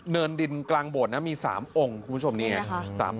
เนินดินกลางโบสถ์นะมี๓องค์คุณผู้ชมนี่ไง